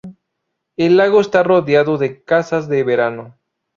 El lago está rodeado de casas de verano.